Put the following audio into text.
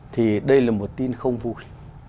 thì đây là một tin không vui